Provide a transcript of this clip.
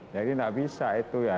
jadi tidak bisa itu ya